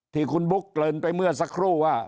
ที่คุณบุ๊กเกริ่นไปเมื่อสักครู่ว่า